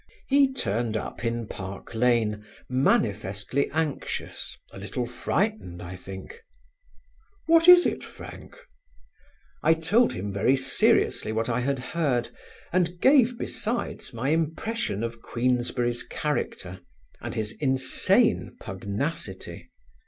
He turned up in Park Lane, manifestly anxious, a little frightened, I think. "What is it, Frank?" I told him very seriously what I had heard and gave besides my impression of Queensberry's character, and his insane pugnacity.